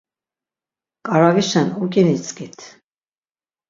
Ǩaravişen uǩinitzǩit.